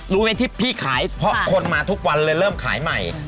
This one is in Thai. รู้ไหมที่พี่ขายเพราะคนมาทุกวันเลยเริ่มขายใหม่